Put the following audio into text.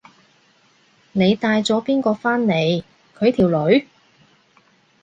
你帶咗邊個返嚟？佢條女？